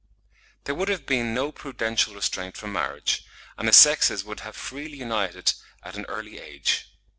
There would have been no prudential restraint from marriage, and the sexes would have freely united at an early age.